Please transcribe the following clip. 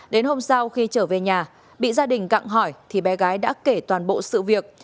đến hôm sau khi trở về nhà bị gia đình cặng hỏi thì bé gái đã kể toàn bộ sự việc